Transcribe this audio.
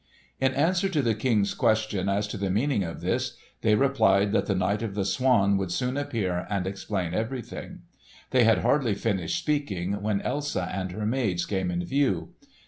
In answer to the King's question as to the meaning of this, they replied that the Knight of the Swan would soon appear and explain everything. They had hardly finished speaking when Elsa and her maids came in view.